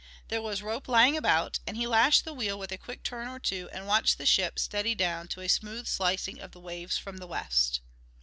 There was rope lying about, and he lashed the wheel with a quick turn or two and watched the ship steady down to a smooth slicing of the waves from the west.